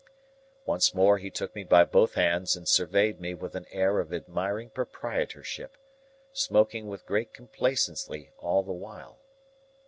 Once more, he took me by both hands and surveyed me with an air of admiring proprietorship: smoking with great complacency all the while.